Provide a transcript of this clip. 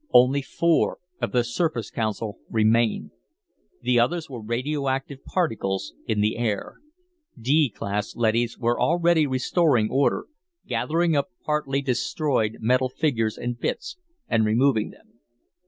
Only four of the Surface Council remained. The others were radioactive particles in the air. D class leadys were already restoring order, gathering up partly destroyed metal figures and bits and removing them.